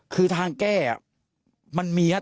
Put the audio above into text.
คือทางแก้มันมีครับ